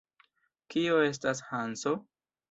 Kio estas Hanso?